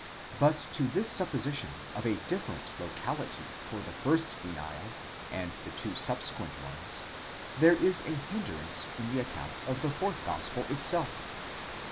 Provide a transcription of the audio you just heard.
But to this supposition of a different locality for the first denial and the two subsequent ones, there is a hindrance in the account of the fourth gospel itself.